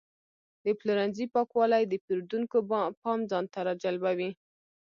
د پلورنځي پاکوالی د پیرودونکو پام ځان ته راجلبوي.